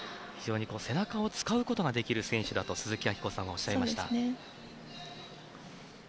非常に背中を使うことができる選手だと鈴木明子さんはおっしゃいました。